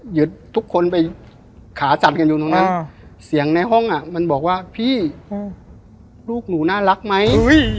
หยุดทุกคนไปขาจัดกันอยู่ตรงนั้นเสียงในห้องมันบอกว่าพี่ลูกหนูน่ารักไหม